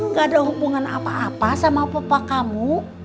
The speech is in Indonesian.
gak ada hubungan apa apa sama papa kamu